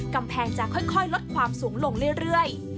กำแพงจะค่อยลดความสูงลงเรื่อย